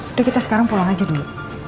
itu kita sekarang pulang aja dulu